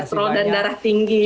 kolesterol dan darah tinggi